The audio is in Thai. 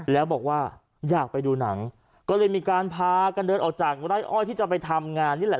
แล้วบอกว่าอยากไปดูหนังก็เลยมีการพากันเดินออกจากไร่อ้อยที่จะไปทำงานนี่แหละ